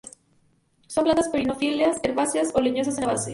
Son plantas perennifolias herbáceas o leñosas en la base.